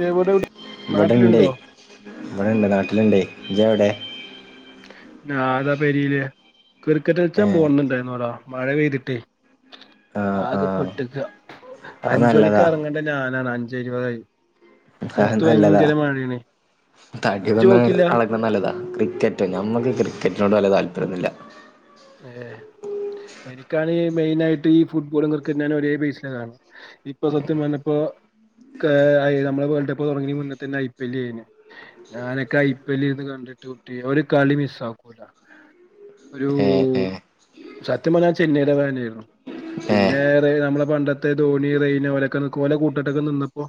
ദേവുടെ കുടെ നാട്ടിലുണ്ടോ ഇവിടെണ്ട് നാട്ടില്ണ്ടയ് ഇജ് എവിടെ ഞാതാ പെരീല് ഏ ക്രിക്കറ്റൾച്ചാൻ പോവുന്നുണ്ടായിന്നോടാ മഴ പെയ്തിട്ടയ് ആ ആ ആകെ പെട്ട്ക്ക അത് അഞ്ച് മണിക്ക് നല്ലതാ ഇറങ്ങണ്ട ഞാൻ [unintelligible] അഞ്ച് ഇരുപതായി അത് പുറത്ത് നല്ലതാ ഭയങ്കര മഴയാണ് തടി ഇജ്ജ് വന്നാ പോക്കില്ല [unintelligible] ക്രിക്കറ്റ് ഞമ്മക്ക് ക്രിക്കറ്റിനോട് വല്ല്യ താല്പര്യൊന്നുമില്ല. ഏഹ് എനിക്കാണേ മെയിനായിട്ട് ഈ ഫുട്ബോളും ക്രിക്കറ്റ്ന് ഒരേ ബേസനലാണ് ഇപ്പൊ സത്യം പറഞ്ഞപ്പോ കാ അയ് നമ്മുടെ വേൾഡ് കപ്പ് തുടങ്ങണന് മുന്ന തന്നെ ഐ പി എല്ല് കഴിഞ്ഞു. ഞാനൊക്കെ ഐ പി എല്ല് ഇരുന്ന് കണ്ടിട്ടൊട്ട് ഒരു കളി മിസ് ആക്കൂല. ഒരു ഓ ഏ ഏ സത്യം പറഞ്ഞാ ഞാൻ ചെന്നൈയുടെ ഫാനായിരുന്നു. ഏ പിന്നെ റെ നമ്മടെ പണ്ടത്തെ ധോണി റെയ്ന ഓലക്ക നിക്കു ഓല കൂട്ട് കെട്ടൊക്കെ നിന്നപ്പോ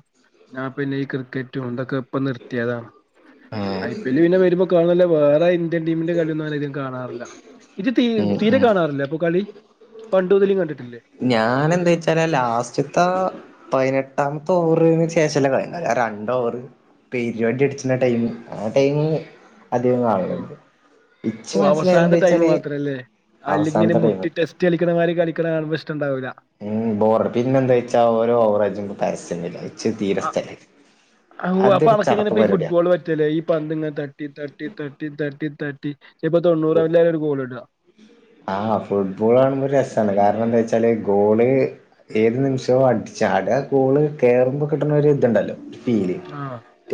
ഞാൻ പിന്നേ ഈ ക്രിക്കറ്റും ഇതൊക്കെ ഇപ്പ നിർത്തിയതാണ്. ഏ ഐ പി എല്ല് പിന്നെ വരുമ്പോ കാണുന്നല്ലാതെ വേറെ ഇന്ത്യൻ ടീമിന്റെ കളിയൊന്നും അങ്ങനെയധികം കാണാറില്ല. ഇത് തീ ഉം തീരെ ഉം കാണാറില്ലേ അപ്പൊ കളി പണ്ട് മുതലും കണ്ടിട്ടില്ലേ ഞാൻ എന്താ വച്ചാലേ ലാസ്റ്റത്തെ പതിനെട്ട് പത്തമത്തെ ഓവാർന്ന് വെച്ച ചെല വൈകുന്നേര രണ്ട് ഓവറ് പീരിയോടി അടിച്ചി ടൈം ആ ടൈം അധികം ഓ കാണുള്ളുത് ഓ അവസാനത്തെ ടൈമ് മാത്രല്ലേ അല്ലെങ്കിലേ അവസാനത്തെ ടൈമ് മുട്ടി ടെസ്റ്റ് കളിക്കണമാതിരി കളിക്കണ കാണുമ്പോ ഇഷ്ടണ്ടാവൂല ഉം ബോറടി പിന്നെ എന്താ വെച്ചാ ഓരോ ഹവറും അജ് ന്റെ പരസ്യ ആ ഔ അപ്പൊ അതൊരു അവക്ക്‌ ഇങ്ങനെ ചടപ്പ് പരിപാടിയാ ഫുട്ബോൾ പറ്റില്ലേ ഈ പന്തങ്ങനെ തട്ടി തട്ടി തട്ടി തട്ടി തട്ടി ഇപ്പൊ തൊണ്ണൂറാവില്ല ഒരു ഗോൾ ഇടുക ആ ഫുട്ബോൾ കാണുമ്പോ ഒരു രസാണ് കാരണം എന്താ വച്ചാല് ഗോള് ഏത് നിമിഷവും അടിച്ചാൽ ഗോള് കേയറുമ്പോ കിട്ടണ ഒരു ഇതുണ്ടല്ലോ ഫീൽ ആ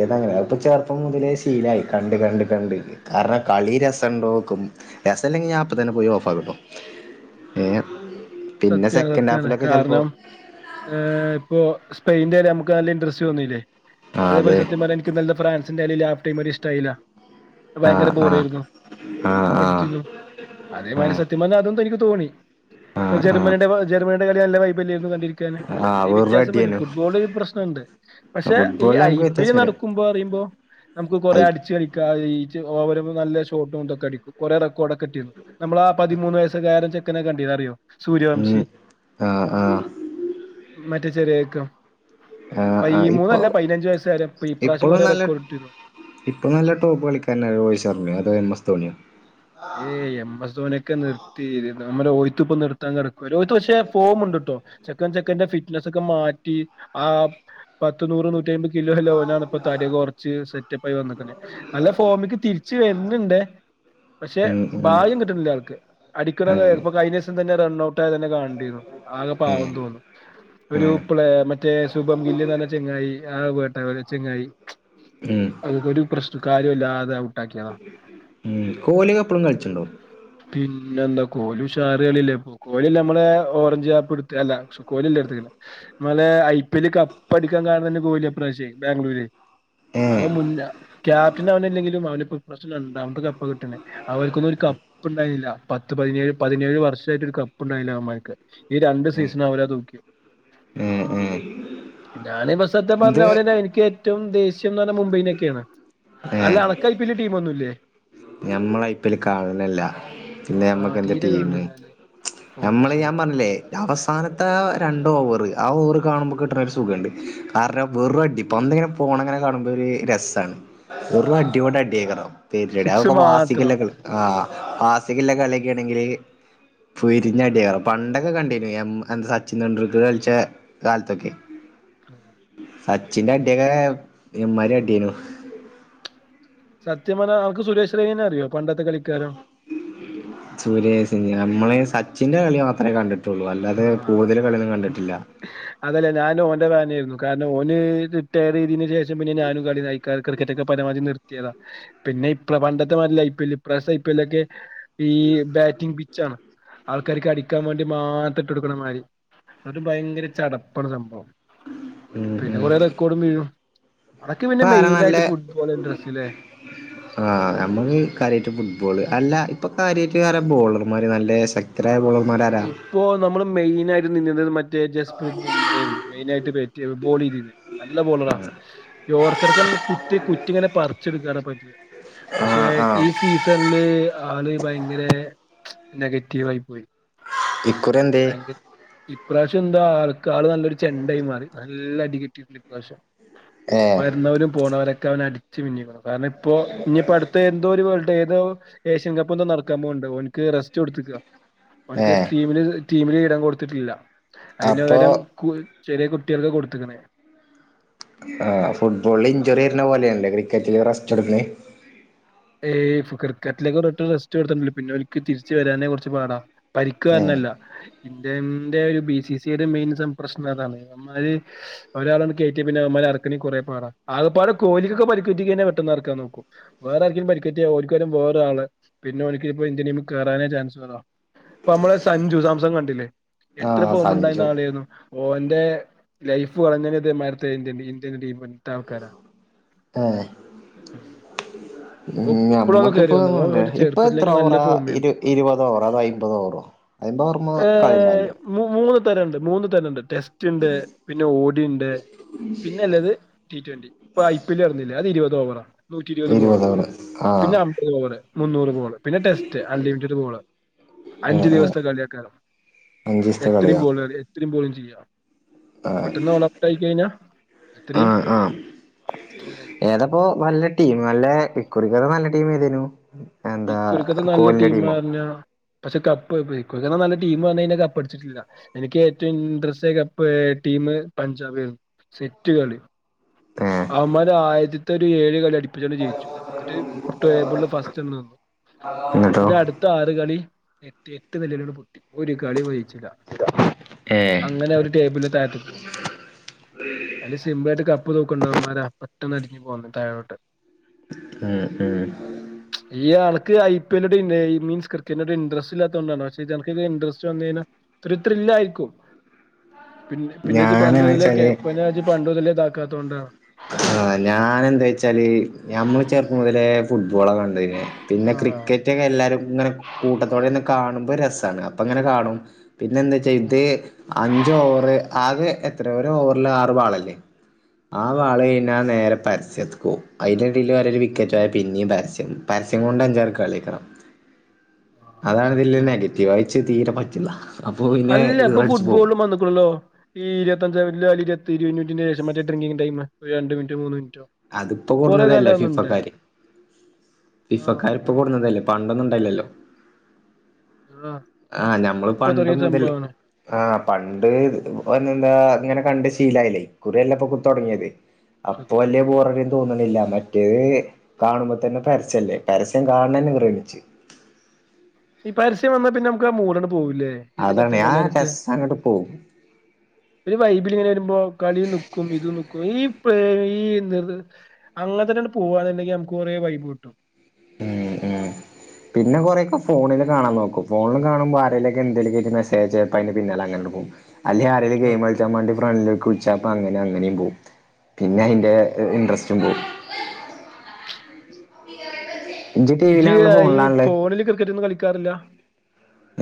ഏതെങ്ങനെയ ഇപ്പൊ ചെറുപ്പം മുതലേ ശീലായി കണ്ട് കണ്ട് കണ്ട് കാരണം കളി രസം ഉണ്ടോക്കും രസല്ലെങ്കി ഞാൻ അപ്പൊ അപ്പോൾത്തന്നെ പോയി ഓഫ് ആകും ട്ടോ പിന്നെ സത്യാണ് സെക്കൻഡ് സത്യാണ് ഹാഫിലൊക്കെ ചെലപ്പോ കാരണം ഇപ്പോ സ്പെയിന്റെ വ നമുക്ക് നല്ല ഇൻട്രസ്റ്റ് തോന്നിയില്ലേ ആഹ് അതേ പോലെ അതെ സത്യം പറഞാ എനിക്ക് നല്ല ഫ്രാൻസിന്റെ അ ട്ടമരി സ്റ ആ ഭയങ്കര ആഹ് ആഹ് ബോറായിരുന്നു ആഹ് മടുത്തിരുന്നു ആഹ് അതേമാതിരി ആഹ് സത്യം പറഞ്ഞ അതൊ എനിക്ക് തോണി ജർമ്മനിയുടെ ജർമ്മനിയ ഇന്നലെ കളി നല്ല വൈബ് കണ്ടിരു ആഹ് അതേ വെറും വ്യത്യാസം വരും അടിയേനു ഫുട്ബോൾ ഒരു പ്രശ്നമുണ്ട് പക്ഷെ ഈ ഫുട്ബോളിൽ ഐ നമുക്ക് പി വ്യത്യാസം എൽ വരും നടക്കുമ്പോ അറിയുമ്പോ നമുക്ക് ഐ കൊറെ അടിച്ച് കളിക്കാം ഇജ് അവര് ഒ നല്ല ഷോട്ട് കൊണ്ടക്കെ അടിക്കും കൊറെ റെക്കോഡോക്കെ കിട്ടിയിരുന്നു. നമ്മളാ പതിമൂന്ന് വയസുകാരൻ ചെക്കനെ കണ്ടിരുന്നു അറിയോ ഉം സൂര്യവംശി ആ ആ മറ്റേ ചെറിയ ചെക്കൻ ആ ആ ഇപ്പൊ പൈമൂന്നല്ല പതിനഞ്ച് വയസ്സുകാരൻ ഇപ്പൊ ഇപ്രാവശ്യം ഇപ്പോഴ കൊറേ നല്ല റെക്കോർഡ് ഇട്ടിരുന്നു ഇപ്പൊ നല്ല ടോപ്പ് കളിക്കാരൻ ശർമ്മോ അതോ എം എസ് ധോണിയോ ഏയ് എം എസ് ധോണിയൊക്കെ നിർ തീരുന്നേ നമ്മടെ ഓയിത്തിപ്പോ നിർത്താൻ കിടക്ക്‌ ഓരോത്തു പക്ഷെ ഫോമുണ്ട് ട്ടോ ചെക്കന്റെ ചെക്കന്റെ ഫിറ്റ്നസ് ഒക്കെ മാറ്റി ആ പത്ത് നൂറ് നൂറ്റി അയ്മ്പത് കിലോ ലോനാണ് ഇപ്പൊ തടി കൊറച്ച് സെറ്റപ്പ് ആയി വന്ന്ക്ണ് നല്ല ഫോമില്തിരിച്ച് വരുന്നുണ്ടേ ഉം ഉം പിന്നെഭാഗ്യം കിട്ണ്‌ല്ല ആൾക്ക്‌ അടിക്ക്‌ണ്താൾ ആഹ് ഇപ്പൊ കഴിഞ്ഞ ദിവസംതന്നെ റൺ ഔട്ട് ആ തന്നെ കാണണ്ടിരുന്നു ആകെ പാവം ഏഹ് തോന്നും ഒരു ഏഹ് പ്ലേ മറ്റേ സുപം മില്ലിന്ന് ചെങ്ങയി ആ [unintelligible] ചെങ്ങായി ഉം അതക്കെ ഒരു പ്രശ്ന കാര്യം ഇല്ലാതെ ഉം കോലി കപ് ഇപ്പളും കളിച്ചുണ്ടോ. പിന്നെന്താ കോലി ഉഷാറ് കളിയല്ലേ ഇപ്പൊ കോലിയല്ലേ നമ്മടെ ഓറഞ്ച് ക്യാപ്പ് എടുത്തെ അല്ല കോലിയല്ല എടുത്തേക്കണേ നമ്മളെ ഐ പി എല്ല് കപ്പ് അടിക്കാൻ കാരണം തന്നെ കോലിയാ ഇപ്രാവശ്യേ ബാംഗ്ലൂര് ഏഹ് അവൻ മുന്ന ക്യാപ്റ്റൻ അവനല്ലെങ്കിലും അവനിപ്പോ ഈ പ്രാവിശ്യം രണ്ടാമത്തെ കപ്പ കിട്ടണെ. അവർക്കൊന്നും ഒരു കപ്പ് ഇണ്ടായില്ല. പത്ത് പതിനേഴ് പതിനേഴ് വർഷായിട്ട് ഒരു കപ്പ് ഇണ്ടായില്ല അവന്മാർക്ക്. ഈ രണ്ട് സീസണും അവരാ തൂക്കിയെ ഉ ഉം ഞാനിപ്പ സത്യ പറഞ്ഞ അവര് എന്നെ എനിക്ക് ഏറ്റവും ദേ പക്ഷേ ന്നാലും മുംബൈലൊക്കെയാണ്. അല്ല അണക്കായി വലിയ ടീമൊന്നുല്ല്യേ ഞമ്മളയ്പ്പല് കാണലന്നല്ല പിന്നെ ആ മ്മക്ക് എന്ത്‌ തീരെ ടീം കാണില്ല അല്ലേ ഓ നമ്മള് ഞാൻ ശരി പറഞ്ഞില്ലേ അവസാനത്തെ രണ്ട് ഓവറ് ആ ഓവറ് കാണുമ്പോൾ ഒക്കെ കിട്ടണ ഒരു സുഖണ്ട് അ വെറും അടി ഇപ്പൊ പന്തങ്ങനെ പോണങ്ങനെ കാണുമ്പോ ഒരു രസമാണ് വെറും അടിയോട് അടിയായിരിക്കും. [unintelligible] സിക്സ് അതൊക്കെ മാസ് സികലൾ മാത്രം ആ ആസിക് ഉള്ള കളിയൊക്കാണെങ്കില് പെരിഞ്ഞടിയാ പണ്ടൊക്കെ കണ്ടീനു എം എന്താ സച്ചിൻ തെണ്ടുൽക്കർ കളിച്ച കാലത്തൊക്കെ സച്ചിന്റെ അടിയൊക്കെ എമ്മാരി അടിയയ്നു. സത്യമാണ് ആൾക്ക് സുരേഷ് റെയ്നനെ അറിയോ പണ്ടത്തെ കളിക്കാരൻ സൂര്യ നമ്മള് സച്ചിന്റെ കളി മാത്രമേ കണ്ടിട് ആ അതല്ലേ ഞാൻ ഓന്റെ ഫാനായിരുന്നു കാരണം ഓന് റിട്ടയർ ചെയ്തതിന് ശേഷം പിന്നെ ഞാനും കളി ന ക്രിക്കറ്റൊക്കെ പരമാവധി നിർ യതാ പിന്നെ ഇപ പണ്ടത്തെ മാതിരിയല്ല ഐ പി എൽ ഇപ്രാവശ്യം ഐ പി എൽ ഒക്കെ ഈ ബാറ്റിംഗ് പിച്ച് ആണ്. ആൾക്കാർക്ക് അടിക്കാൻ വേണ്ടി മാത്രം ഇട്ട് കൊടുക്കണ മാതിരി അത് ഭയങ്കര ചടപ്പാണ് സംഭവം ഉം പിന്നെ ഉം. കൊറേ റെക്കോർഡും വീഴും അതൊക്കെ ഇപ്പ പിന്നെ ആരാ മെയിൻ നല്ല ആയിട്ട് ഫുട്ബോൾ ഇൻട്രസ്റ്റ്ല്ലേ ആ നമ്മള് കാര്യായിട്ട് ഫുട്ബോള് അല്ല ഇപ്പൊ കാര്യമായിട്ട് ആരാ ബോളർമാർ നല്ല ശക്ത ഇപ്പോ നമ്മള് മെയ്‌നായി നിന്നിന്നത് മറ്റേ ജസ്പ്രീത് ഉംറായിരുന്നു മെയിനായിട്ട് ബേറ്റയ്‌തത് ബോളിലി നല്ല ബോളടാ ഇ ഓർക്കടക്കൻ കുറ്റി കുറ്റിങ്ങനെ പറിച്ചെടുക്കട പ പക്ഷെ ആഹ് ഈ ആഹ് സീസണില് ആള് ഭയങ്കരെ നെഗറ്റീവായി പോയ്‌ ഇ [unintelligible] പ്രാശ്യം ന്താ കാള് നല്ലൊരു ചെണ്ടയി മാറി നല്ല [unintelligible] ഏഹ് വരുന്നവരും പോണവരൊക്കെ അവനെ അടി ച്മിന്നിക്ണൊ കാരണം ഇപ്പോ ഇനിപ്പോ അട്ത്ത എന്തോ ഒരു വേൾ ഏതോ ഏഷ്യൻ കപ്പന്തോ നടക്കാൻ പോണ്ട് ഓൽക്ക് റെസ്റ്റ് കൊടുത്തക്ക പണിക്ക് ഏഹ് തീമിന് ടീമില് ഇടം കൊടുത്തിട്ടില്ല അതിന്റ അപ്പൊ പകരം ചെറിയ കുട്ടികൾക്ക് കൊടുത്തക്കണേ [unintelligible] റസ്റ്റ്ടുക്കണ ഏയ് ക്രിക്കറ്റിലേക്ക് ഒ ഒരു റിട്ടേൺ ടെസ്റ്റ് കൊടുത്തിട്ടുണ്ട് പിന്നെ ഒരിക്കെ തിരിച്ചുവരാനെ കുറച്ച് പാടാ പരിക്കു ഏഹ് കാരണമല്ല ഇന്ത്യന്റെ ബി സി സിയുടെ മെയിൻ പ്രശ്നം അതാണ് അവൻമ്മാര് ഒരാളെ അങ്ങ് കേറ്റിയാൽ പിന്നെ അവൻമ്മാര് ഇറക്കണെ കുറേ പാടാ ആകപ്പാടെ കോലിക്കൊക്കെ പരിക്കുപറ്റി കഴിഞ്ഞാ പെട്ടെന്ന് ഇറക്കാൻ നോക്കും വേറെ പരിക്കു പറ്റിയാൽ ഓല് പിന്നെ ബോറ് ആണ് പിന്നെ ഓലക്ക് ഇന്ത്യ ടീം കയറാനേ ചാൻസകുറവാ ഇപ്പ നമ്മള് സഞ്ജു സാംസൺ കണ്ടില്ലേ എത്ര ആഹ് ഫോമുണ്ടായിരുന്ന സഞ്ജു ആളെ ആയിരുന്നു ഓന്റെ ലൈഫ് കളഞ്ഞ്ത് മരത്തെ [unintelligible] ഇന്ത്യൻ ടീം ആൾക്കാരാണ് ഞമ്മക്കിപ്പ ഇപ്പൊ എത്ര ചെറുപ്പത്തിലൊക്കെ നല്ല ഓവറാ ഫോമിലാ ഇരു ഇരുപത് ഓവേറൊ അതോ അയിപത് ഓവേറൊ അയിപത് ഓർമ്മ ഏഹ് കഴിഞ്ഞാലേ മൂ മൂന്ന് തരം ഉണ്ട് മൂന്ന് തരം ഉണ്ട് ടെസ്റ്റ് ഇണ്ട് പിന്നെ ഓടി ഇണ്ട് പിന്നെ ഇല്ലത് ടി ട്വന്റി ഇപ്പ ഐ പി എൽ നടന്നില്ലേ അത് ഇരുപത് ദോ പറ നൂറ്റി ഇരുപത് ബോള് ഓവറ് ആഹ് പിന്നെ അമ്പത് ഗോള് മുന്നൂറ് ഗോള് പിന്നെ ടെസ്റ്റ് അൺലിമിറ്റഡ് ഗോള് അഞ്ച് ആഹ് ആഹ് ദിവസത്തെ കളിയൊക്കെയാണ് അഞ്ചീസത്തെ എത്രയുംഗോള് ഇനി ബോളിംഗ് ചെയ്യാം ആ പെട്ടെന്ന് ഓൾ ഔട്ട് ആയി കഴിഞ്ഞാ ആ എത്രയും ആ അങ്ങനെ. ഏതപ്പോ നല്ല ടീം നല്ല ഇക്കുറി വേറെ നല്ലടീം ഏതിനു? ഇക്കുറിക്കത്ത് നല്ല ടീം പറഞ്ഞാ പക്ഷെ കപ്പ് [unintelligible] നല്ല ടീംവന്നെഞാ കപ്പ അടിച്ചിട്ടില്ല എനിക്ക് ഏറ്റവും interest cup team Punjab set കളി. ഏ അമര ആയിര ത്തൊരു ഏഴ് കളി അടി [unintelligible] ണ്ട് ജയിച്ചു എന്നിട്ട് ടേബിള ഫസ്റ്റ്ന്നു ന്നു എന്നിട്ടോ പിന്നെ അടുത്ത ആറ് കളി എട്ട് എട്ട് നിലേലാണ്ട് പൊട്ടി ഒരു കളി പോ ജയിച്ചില്ല ഏ അങ്ങനെ ഒരു ടേബിള്ന് താഴത്ത്ക്ക് പോന്നു അയില് സിംമ്പിളായിട്ട് കപ്പ് തോ ന്നവന്മാര് പെട്ടെന്ന് അടിഞ്ഞ് പോന്നു താഴോട്ട് ഉം ഉം ഈ ആൾക്ക് ഐ പി എല്ല് ടീംന് ഈ മീൻസ് ക്രിക്കറ്റിൻ്റെ ടീം ഇൻട്രസ്റ്റ് ഇല്ലാത്ത കൊണ്ടാണ് പക്ഷെ ഇജാൻത്തൊക്കെ ഇൻട്രസ്റ്റ് വന്ന് കഴിഞ്ഞാ ത്രി ത്രില്ല ആയിരിക്കും പിന്നെ പിന്നെ ജ് ഞാനെന്ന് പണ്ടു മുതലേ കേ വെച്ചാല് പിന്നെ പണ്ടുമുതലേ താ ക്കാത്തോണ്ട ആ ഞാന് എന്താ വച്ചാല് ഞമ്മള് ചേർപ്പം മുതലേ ഫുട്ബോളാ കണ്ടീന്യ പിന്നെ ആഹ് ക്രിക്കറ്റ് ഒക്കെ എല്ലാരും ഇങ്ങനെ കൂട്ടത്തോടെ ഇര്ന്ന് കാണുമ്പോ രസാണ് അപ്പങ്ങനെ കാണും പിന്നെ എന്തവച്ചാ ഇത് അഞ്ചോ ഓവറ് ആകെ എ ത്രെ ഒരോവർൽ ആറ് ബാളല്ലേ ആ ആഹ് വാളയ് നേരെ പരസ്യത്ക്ക് പോവും അയിൻ്റെടീൽ ആരേലും വിക്കറ്റായ പിന്നെയും പരസ്യം പരസ്യം കൊണ്ട് അഞ്ചാർ കളിക്കണം ആഹ് അതാണ് ഇതില് സത്യാണ് നെഗറ്റീവ് ആയി ഇച്ച് തീരെ പറ്റിള്ള അല്ല ഇപ്പൊ ഫുട്ബോൾലും വന്ന്ക്ക്ണല്ലോ ഈ ഇരുപത്തഞ്ചാ എല്ലാ ഇര [unintelligible] ശം മറ്റേ ഡ്രിങ്കിംങ് ടൈം ഒരു രണ്ട് മിനിറ്റ് മൂന്ന് മിൻ അതിപ്പോ കൊടുന്നതല്ലേ ഫിഫക്കാര് ആഹ് ഫിഫക്കാർ ഇപ്പൊ കൊടുന്നതല്ലേ പണ്ടൊന്നുണ്ടായില്ലല്ലോ ആഹ് ആ ഞമ്മള് ഇപ്പൊ പണ്ട് തുടങ്ങിയ മുതല് സംഭവമാണ് ആ പണ്ട് ന്ന എന്താ ഇങ്ങനെ കണ്ട് ശീ ലായില്ലേ ഇക്കുറിയല്ലപ്പൊക്കെ ത്തൊടങ്ങ്യത് സത്യം [unintelligible] തോന്ന്ണില്ല മറ്റേത് കാണുമ്പോ തന്നെ പരസ്യല്ലേ പരസ്യം കാണണന്നെ ഈറേണ് ഇച്ച് പരസ്യ വന്നാ പിന്നെ നമുക്കാ ആ മൂഡാണ്ട് പോ പോവുല്ലേ [unintelligible] ക്ക് അതാണ് സത്യം ആ പറഞ്ഞാ തൊക്കെ രസം അങ്ങട്ട് പോകും ഒരു വൈബില് ഇങ്ങനെ വരുമ്പോ കളിം നിക്കും ഇതും നിക്കും ഈ ഇ പ്പ യീ അങ്ങൻ തന്നെ പോവാന്നുണ്ടെങ്കിൽ നമുക്ക് കുറെേ വൈബ് ക് ട്ടും ഉം ഉം പിന്നെ കൊറെയൊക്കെ ഫോണില് കാണാൻ നോക്കും ഫോണിൽ കാണുമ്പം ആരെലും എന്തേലക്കായ്ട്ട് മെസ്സേജ് അയച്ച് ചെൽപ്പതിന് പിന്നാലെ അങ്ങനെയാണ്ട് പോകും അല്ലേ ആരേലും ആഹ് ഗയിമ് കളിച്ചാൻമാണ്ടി റൺ വേക്ക് വിളി ച്ചാ അപ്പ ങ്ങനെ അങ്ങനിം പോവും പിന്നെ ആഹ് അയിന്റെ ഇൻട്രസ്റ്റ് ഉം പോവും ഇജ്ജ് ടി ഇജ് വിയിലാണല്ലോ ഈ ഫോണിലാണല്ലേ ഫോണില് ക്രിക്കറ്റെന്നും കളി ക്കാറില്ല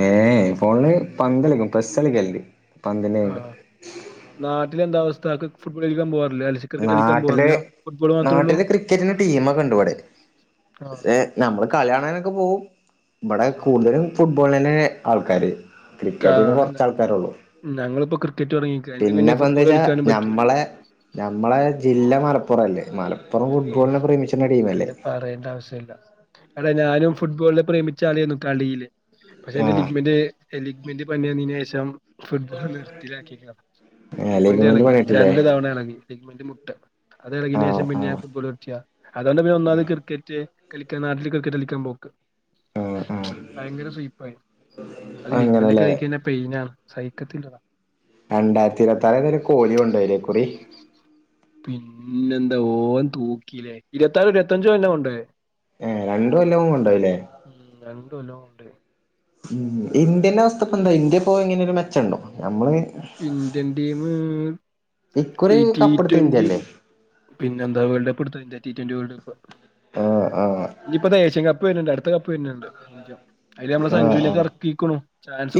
ഏഹേ ഫോണില് പന്തളിക്കും പ്രസ്ലളിക്കൽ ണ്ട് ആനാട്ടില് എന്താ അവ സ്ഥ ഫുട്ബോൾ കളിക്കാൻപോവാ നാട്ടില് ഉള്ളൂ നാട്ടില് ക്രിക്കറ്റിന് ടീമ്‌ക്കെ ഉ ണ്ട് ബടെ ആഹ് നമ്മള് കളിണാന് ക്കെ പോവും ബടെ ആഹ് കൂടുതലും ഫുട് ബോൾ നന്നെണ് ആൾക്കാര് ക്കാ ക്രിക്കറ്റിന് കുറച്ച് ആൾക്കാരുള്ളൂ ഞങ്ങൾപ്പോക്രിക്കറ്റ് തുടങ്ങിക്കാ എനിക്ക് പിന്നെ പിന്നെപ്പോ ഫുട്ബോൾ കളിക്കാനും പറ്റൂല ങ്ങളെജില്ല മലപ്പുറം അല്ലേ മലപ്പു ഓ പിന്നെ പറയേണ്ട ആവശ്യല്ല എട ഞാനും ഫുട്ബോളില് പ്രേമിച്ച ആളേന്നും കളിയില് പക്ഷേ ന്റെ ആഹ് ലീഗ്‌മെന്റിന് ലീഗ് മെന്റ്പണിയന്നതിന് ശേഷം ഫുട്ബോൾ നിർത്തലാക്കി ക്കാ ഏഹ് ലിഗ്മെന്റ് ലീഗ്മെന്റ് ഇളകി പണിട്ടില്ലേ രണ്ട് തവണ ഇളകി ലഗ്മെന്റ് മു ട്ട് അത് ആഹ് ഇളകിയേന്ശേഷം പിന്നെ ഞാ ആഹ് ഫുട്ബോൾ നിർത്ത്യ അതുകൊണ്ട് പിന്നെ ഒന്നാമത് ക്രിക്കറ്റ് കളിക്കാൻ നാട്ടില് ക്രിക്കറ്റ് കളിക്കാൻ പോക്ക് ആഹ് ആഹ് ഭയങ്കര സുയ്പായി ആയി അത് ലിഗ്മെന്റ് ക്കെ അങ്ങനെല്ലേ ആയി കയിഞ്ഞാ പെയിനാണ് സഹിക്കത്തില്ല ടാ രണ്ടായിരത്തി ഇരുപത്താറ് ഇതരെ കോലി കൊണ്ടോ യില്ലേ ഇക്കുറി പിന്നെ ന്താ ഓൻ തൂക്കില്ലേ ഇരത്ത്നാലും ഇരത്തഞ്ചും ഓന ന്നെ കൊണ്ടോ യേ ഏ രണ്ട് കൊല്ലം ഓൻ കൊണ്ടോയില്ലേ ഉം രണ്ട് കൊല്ലം കൊണ്ട് ഇന്ത്യന്റെ അവസ്ഥ ഇപ്പഎന്താ ഇന്ത്യ ഇപ്പ എങ്ങനെ ഒരു മെച്ചം ണ്ടോ നമ്മള് ഇന്ത്യൻ ടീമ് ഇക്കുറി എയ്റ്റി കപ്പെടുത്ത ഇന്ത്യല്ലേ റ്റൊറ്റിയിൽപിന്നെ എന്താ വേൾഡ് കപ്പ് എടുത്ത് എയിറ്റി റ്റൊറ്റി വേൾഡ് കപ്പ് ആഹ് ആഹ് ഇനി പ്പം താ ഏഷ്യൻകപ്പ് വര്ന്ണ്ട് അടുത്ത കപ്പ് പിന്നന്ത് ഇന്ത്യ അതില് നമ്മള് സഞ്ജുവിനെക്കെ ഇറക്കിക്കും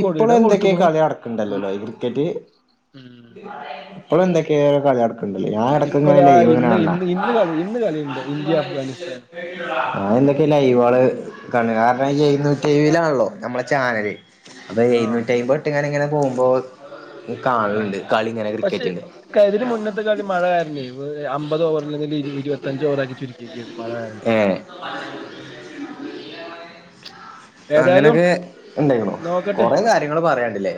ഇപ്പോഴും എന്തൊക്കെയ കളി ഉം അടക്കണ്ടല്ലോല്ലോ ഇ കേട്ടി ഉം. ഇപ്പോഴും എന്തൊക്കെയോ കളി ഞാൻ ഇടക്ക് ഇങ്ങനെ ഇപ്പതാ ലൈവിങ്ങനെ ഇന്ന് കണ്ട ഇന്ന് ഇന്ന് കളി ഇന്ന് കളിയുണ്ട് ഇന്ത്യ അഫ്ഗാനിസ്ഥാനും ഞാൻ എന്തൊക്കെയോ ലൈവുകൾ [unintelligible] ടി വിയിലാണല്ലോ നമ്മളെ ചാനല് അതെ എഴൂനൂറ്റ ഐമ്പത് കിട്ടായനെങ്ങനെ പോകുമ്പോൾ ആഹ പക്ഷെ കഴിഞ്ഞതിന് മുന്നത്തെ കളി മഴ കാരണം അമ്പത് ഓവറിൽ ഒരു ഇരുപത്തഞ്ച് ഓവർ ആക്കി ചുരുക്കിക്കാരുന്നു മഴ കാരണം ഏ ഏതായാലും അങ്ങനെയൊക്കെ ഇണ്ടായിണോ നോക്കട്ടെ കൊറെ കാര്യങ്ങൾ പറയാണ്ടില്ലേ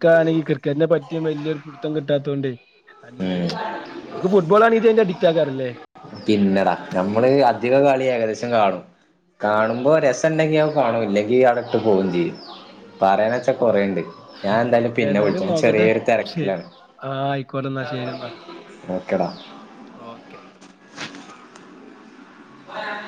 ക്കാണേ ക്രിക്കറ്റിനെ പറ്റിയ വല്യ ഒരു പിടുത്തം കിട്ടാത്തോണ്ടെ ഉ അതിന്റെ അഡിക്റ്റ് ആക്കാറല്ലേ പിന്നെടാ ഞമ്മള് അധിക കളി ഏകദേശം കാണും കാണുമ്പോ രസണ്ടെങ്കി നമ്മ കാണൂ ഇല്ലെങ്കി അവിടെ ഇട്ട് പോവുവേം ചെയ്യും പറയാന്ന് വെച്ചാ കൊറെയുണ്ട് ഏതായാലും നോക്കട്ടെ ശരി തിരക്കിലാണ് ആ ആയിക്കോട്ടെ എന്നാ ശരി എന്നാ ഓകെ ടാ ഓക്കെ [inaudible]